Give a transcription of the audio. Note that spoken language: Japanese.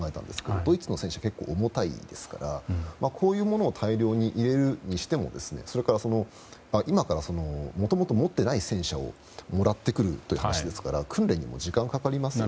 ドイツの戦車は結構重たいですからこういうものを大量に入れるにしてもそれから、今からもともと持っていない戦車をもらってくるという話ですから訓練にも時間がかかります。